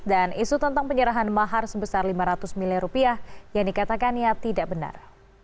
isu tentang penyerahan mahar sebesar lima ratus miliar rupiah yang dikatakannya tidak benar